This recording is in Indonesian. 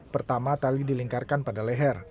pertama tali dilingkarkan pada leher